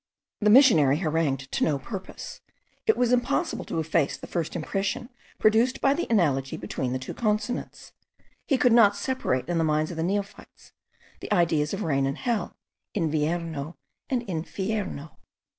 The missionary harangued to no purpose: it was impossible to efface the first impression produced by the analogy between the two consonants. He could not separate in the minds of the neophytes the ideas of rain and hell; invierno and infierno.